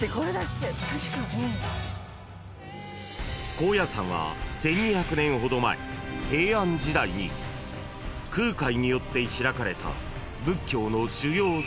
［高野山は１，２００年ほど前平安時代に空海によって開かれた］